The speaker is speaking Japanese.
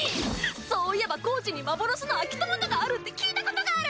そういえば高知に幻の秋トマトがあるって聞いたことがある！